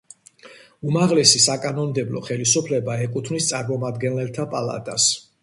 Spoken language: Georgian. უმაღლესი საკანონმდებლო ხელისუფლება ეკუთვნის წარმომადგენელთა პალატას.